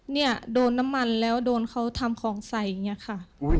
เนี่ยโดนน้ำมันแล้วโดนเขาทำของใส่อย่างนี้ค่ะ